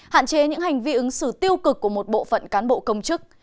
hạn chế những hành vi ứng xử tiêu cực của một bộ phận cán bộ công chức